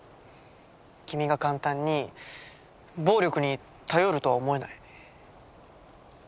君が簡単に暴力に頼るとは思えない。